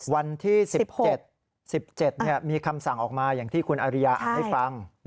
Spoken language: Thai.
วันที่๑๗๑๗มีคำสั่งออกมาอย่างที่คุณอริยาอ่านให้ฟัง